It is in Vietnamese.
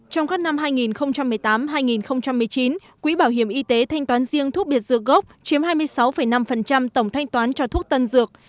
trong các năm hai nghìn một mươi tám hai nghìn một mươi chín quỹ bảo hiểm y tế thanh toán riêng thuốc biệt dược gốc chiếm hai mươi sáu năm tổng thanh toán cho thuốc tân dược